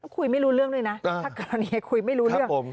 คุยไม่รู้เรื่องด้วยนะถ้าเกิดอะไรอย่างนี้คุยไม่รู้เรื่อง